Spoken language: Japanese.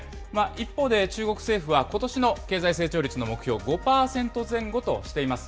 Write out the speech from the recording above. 一方で、中国政府はことしの経済成長率の目標を５％前後としています。